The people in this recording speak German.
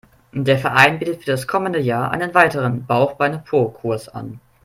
Der Verein bietet für das kommende Jahr einen weiteren Bauch-Beine-Po-Kurs an.